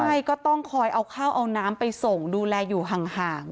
ใช่ก็ต้องคอยเอาข้าวเอาน้ำไปส่งดูแลอยู่ห่าง